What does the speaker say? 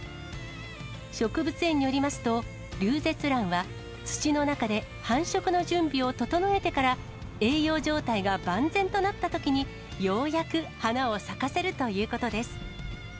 植物園によりますと、リュウゼツランは土の中で、繁殖の準備を整えてから、栄養状態が万全となったときに、ようやく花を咲かせるということです。